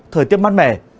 thời tiết mát mẻ